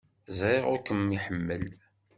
Ẓriɣ ur kem-iḥemmel.